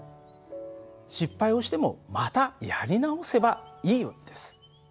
失敗をしてもまたやり直せばいい訳です。